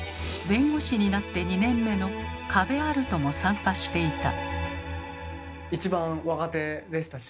弁護士になって２年目の加部歩人も参加していた。